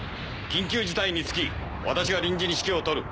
緊急事態につき私が臨時に指揮をとる。